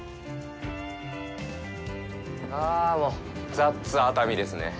ああ、もうザッツ熱海ですね。